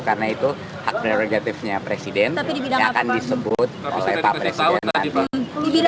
karena itu hak prerogatifnya presiden yang akan disebut oleh pak presiden tadi